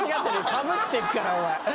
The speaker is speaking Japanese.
かぶってるからおい。